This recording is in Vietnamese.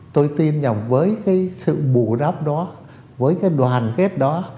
tôi tin rằng với sự bù đắp đó với đoàn kết đó